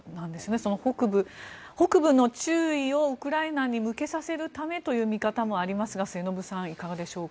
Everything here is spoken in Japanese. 北部の注意をウクライナに向けさせるためという見方もありますが末延さん、いかがでしょうか。